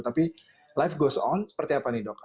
tapi life goes on seperti apa nih dok